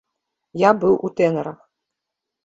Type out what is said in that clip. Я быў у тэнарах.